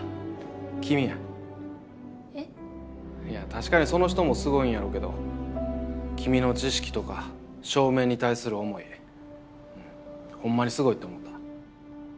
いや確かにその人もすごいんやろうけど君の知識とか照明に対する思いホンマにすごいと思った。